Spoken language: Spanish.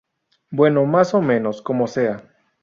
Bueno, más o menos, como sea.